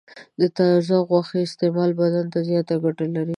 د تازه غوښې استعمال بدن ته زیاته ګټه لري.